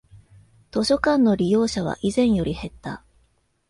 図書館の利用者は以前より減った